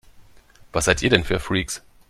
Was seid ihr denn für Freaks?